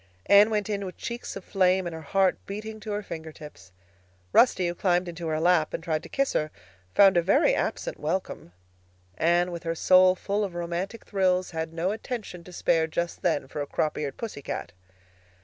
Anne went in with cheeks of flame and her heart beating to her fingertips. Rusty, who climbed into her lap and tried to kiss her, found a very absent welcome. Anne, with her soul full of romantic thrills, had no attention to spare just then for a crop eared pussy cat.